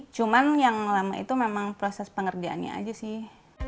cuman yang lama itu memang proses pengerjaannya aja sih